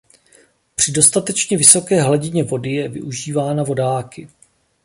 Při dostatečně vysoké hladině vody je využívána vodáky.